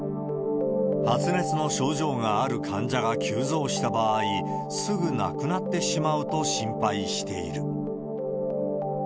発熱の症状がある患者が急増した場合、すぐなくなってしまうと心配している。